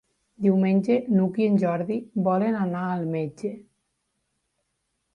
Diumenge n'Hug i en Jordi volen anar al metge.